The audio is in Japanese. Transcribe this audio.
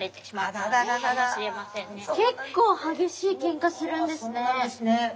結構激しいケンカするんですね！